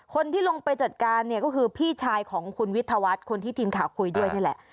คนที่ลงไปจัดการเนี่ยก็คือพี่ชายของคุณวิทยาวัฒน์คนที่ทีมข่าวคุยด้วยนี่แหละ